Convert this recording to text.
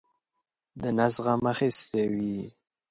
د نس غم اخیستی وي.